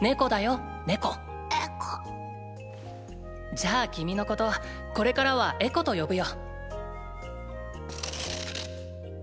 じゃあ君のことこれからはエコと呼ぶよ。